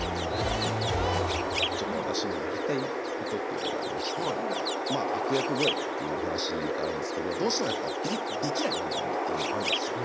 私もやりたいことっていうのがありまして悪役声っていう話があるんですけどどうしてもできないモノマネっていうのもあるんですよ